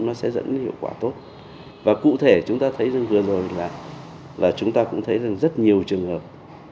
nó sẽ dẫn hiệu quả tốt và cụ thể chúng ta thấy rằng vừa rồi là chúng ta cũng thấy rằng rất nhiều trường hợp